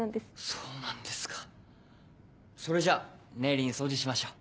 そうなんですかそれじゃあ念入りに掃除しましょう。